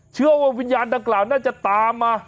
เชื่อว่าวิญญาณดังกล่าวน่าจะตามมา